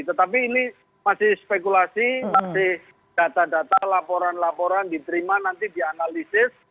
tetapi ini masih spekulasi masih data data laporan laporan diterima nanti dianalisis